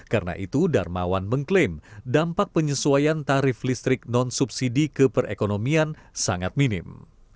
karena itu darmawan mengklaim dampak penyesuaian tarif listrik non subsidi ke perekonomian sangat minim